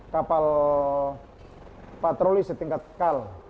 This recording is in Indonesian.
kapal patroli setingkat kal